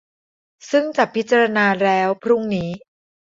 ซึ่งจะพิจารณาแล้วพรุ่งนี้